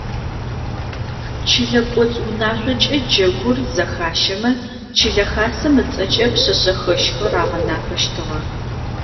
Чылэ кӏоцӏ унашъокӏэ джэгур зэхащэмэ, чылэ хасэм ыцӏэкӏэ пшъэшъэхэщхэр агъэнафэщтыгъэ.